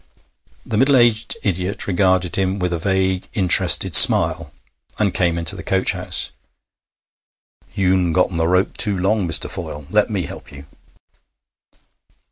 The middle aged idiot regarded him with a vague, interested smile, and came into the coach house. 'You'n gotten the rope too long, Mr. Froyle. Let me help you.'